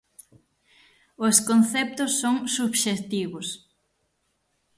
Os conceptos son subxectivos.